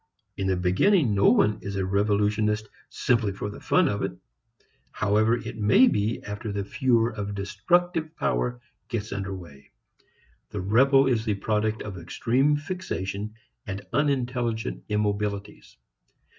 In the beginning no one is a revolutionist simply for the fun of it, however it may be after the furor of destructive power gets under way. The rebel is the product of extreme fixation and unintelligent immobilities.